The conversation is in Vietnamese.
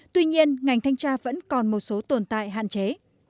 tuy nhiên ngành thanh tra vẫn còn một số tồn tại hạn chế